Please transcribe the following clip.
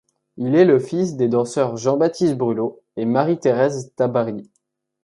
Il est le fils des danseurs Jean-Baptiste Brulo et Marie-Thérèse Tabary.